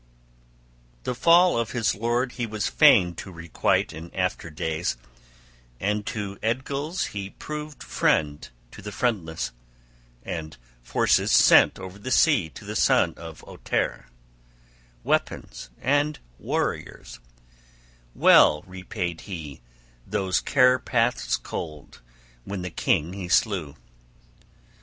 XXXII THE fall of his lord he was fain to requite in after days; and to Eadgils he proved friend to the friendless, and forces sent over the sea to the son of Ohtere, weapons and warriors: well repaid he those care paths cold when the king he slew.